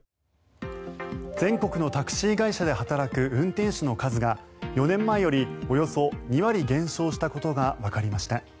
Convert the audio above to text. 全国のタクシー会社で働く運転手の数が４年前よりおよそ２割減少したことがわかりました。